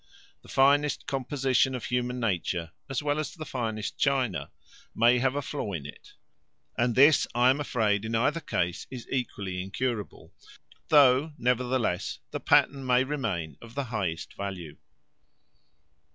The finest composition of human nature, as well as the finest china, may have a flaw in it; and this, I am afraid, in either case, is equally incurable; though, nevertheless, the pattern may remain of the highest value.